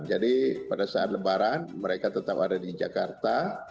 jadi pada saat lebaran mereka tetap ada di jakarta